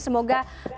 terima kasih dahulu